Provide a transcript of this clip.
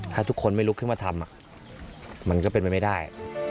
ถ้าทุกคนไม่ลุกขึ้นมาทำมันก็เป็นไปไม่ได้